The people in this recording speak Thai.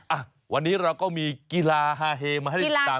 อ่าวันนี้เราก็มีกีฬาหาเฮมาให้ติดตามกัน